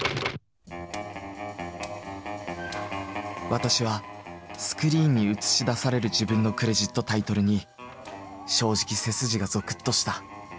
私はスクリーンに映し出される自分のクレジットタイトルに正直背筋がぞくっとした。